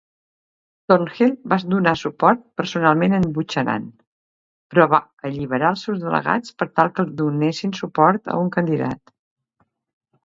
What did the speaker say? Thornhill va donar suport personalment en Buchanan, però va "alliberar" els seus delegats per tal que donessin suport a un candidat.